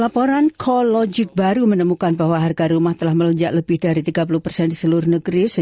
laporan kologik baru menemukan bahwa harga rumah telah melonjak lebih dari tiga puluh persen di seluruh negeri